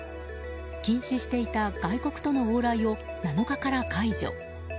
禁止していた外国との往来を７日から解除。